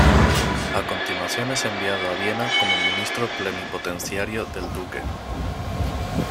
A continuación es enviado a Viena como ministro plenipotenciario del duque.